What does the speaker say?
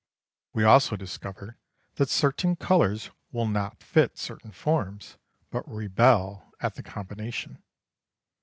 We also discover that certain colours will not fit certain forms, but rebel at the combination.